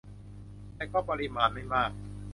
แต่ก็ปริมาณไม่มาก